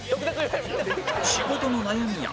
仕事の悩みや